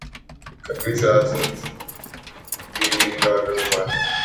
کبھی سیاسی بت اور کبھی معاشرتی بت